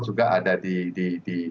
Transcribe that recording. juga ada di